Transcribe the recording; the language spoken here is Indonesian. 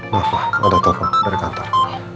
maaf pak ada telepon dari kantor